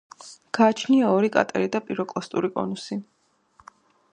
გააჩნია ორი კრატერი და პიროკლასტური კონუსი.